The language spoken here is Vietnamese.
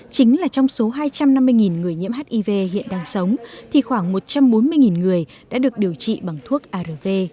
chính là trong số hai trăm năm mươi người nhiễm hiv hiện đang sống thì khoảng một trăm bốn mươi người đã được điều trị bằng thuốc arv